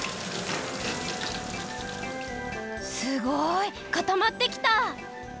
すごい！かたまってきた！